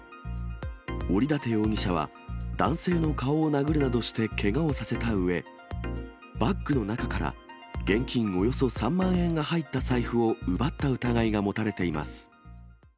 折館容疑者は、男性の顔を殴るなどしてけがをさせたうえ、バッグの中から現金およそ３万円が入った財布を奪った疑いが持たれています。